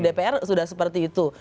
dpr sudah seperti itu